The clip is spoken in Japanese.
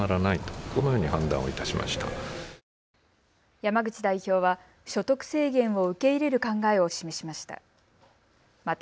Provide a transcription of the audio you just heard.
山口代表は所得制限を受け入れる考えを示しました。